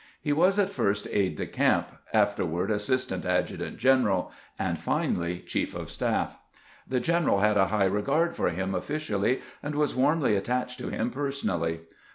He was at first aide de camp, afterward assistant adjutant general, and finally chief of staff. The general 32 CAMPAIGNING WITH GRANT had a high regard for him officially, and was warmly attached to him personally.